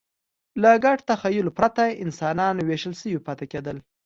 له ګډ تخیل پرته انسانان وېشل شوي پاتې کېدل.